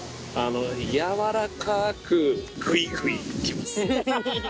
やわらかくグイグイきます。